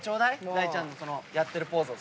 大ちゃんのやってるポーズを。